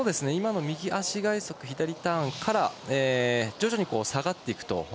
今の右足外足左ターンから徐々に下がっていくと。